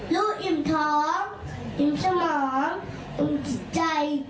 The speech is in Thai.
ลูกอิ่มท้องอิ่มสมองอุ่มใจ